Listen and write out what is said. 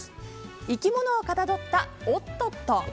生き物をかたどったおっとっと。